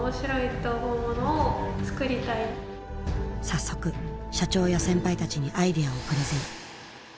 早速社長や先輩たちにアイデアをプレゼン。